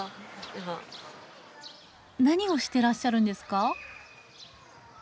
何をしてらっしゃるんですか？